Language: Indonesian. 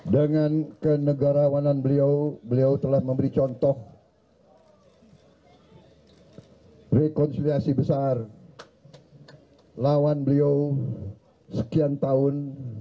dengan kenegarawanan beliau beliau telah memberi contoh rekonsiliasi besar lawan beliau sekian tahun